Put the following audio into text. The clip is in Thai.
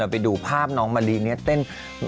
เราไปดูภาพน้องมารีนี้เต้น